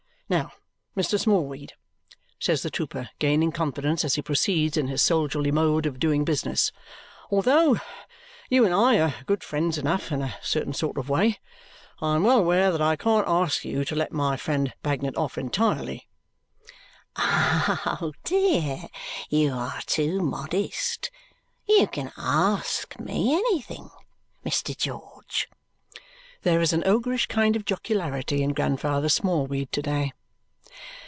Now, Mr. Smallweed," says the trooper, gaining confidence as he proceeds in his soldierly mode of doing business, "although you and I are good friends enough in a certain sort of a way, I am well aware that I can't ask you to let my friend Bagnet off entirely." "Oh, dear, you are too modest. You can ASK me anything, Mr. George." (There is an ogreish kind of jocularity in Grandfather Smallweed to day.)